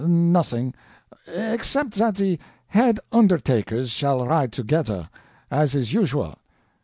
"Nothing, except that the head undertakers shall ride together, as is usual.